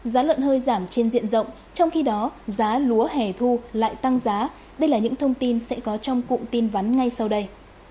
giá lợn hơi giảm trên diện rộng trong khi đó giá lúa hẻ thu lại tăng giá đây là những thông tin sẽ có trong cụm tin vắn ngay sau đây